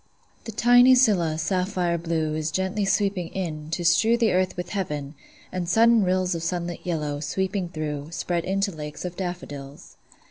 The tiny scilla, sapphire blue, Is gently sweeping in, to strew The earth with heaven; and sudden rills Of sunlit yellow, sweeping through, Spread into lakes of daffodils.